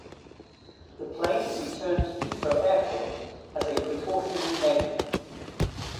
The plane returned to Heathrow Airport as a "precautionary measure".